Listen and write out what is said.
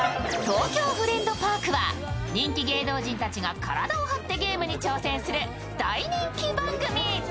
「東京フレンドパーク」は人気芸能人たちが体を張ってゲームに挑戦する大人気番組。